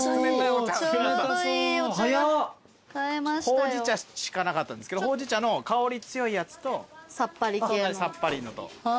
ほうじ茶しかなかったんですけどほうじ茶の香り強いやつとさっぱりのと。